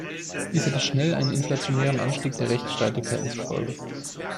Dies hätte schnell einen inflationären Anstieg der Rechtsstreitigkeiten zur Folge.